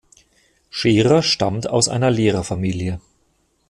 Scherer stammt aus einer Lehrerfamilie.